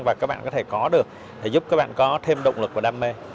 và các bạn có thể có được để giúp các bạn có thêm động lực và đam mê